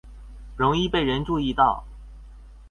容易被人注意到